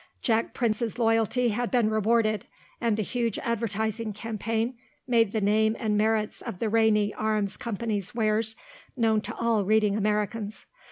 Jack Prince's loyalty had been rewarded, and a huge advertising campaign made the name and merits of the Rainey Arms Company's wares known to all reading Americans.